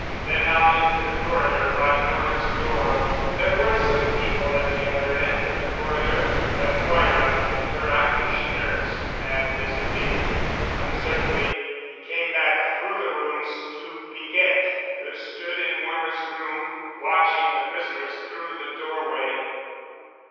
Then out into the corridor by Nora's door. There were some people at the other end of the corridor but Moira and her Irish nurse had disappeared. Uncertainly, he came back through the rooms to Piquette, who stood in Moira's room, watching the prisoners through the doorway.